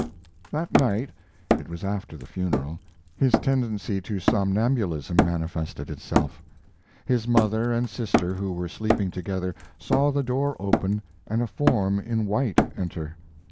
That night it was after the funeral his tendency to somnambulism manifested itself. His mother and sister, who were sleeping together, saw the door open and a form in white enter.